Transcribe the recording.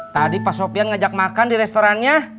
tadi pak sopyan ngajak makan di restorannya